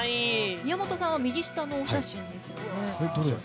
宮本さんは右下のお写真ですね。